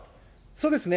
そうですね。